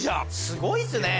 すごいですね！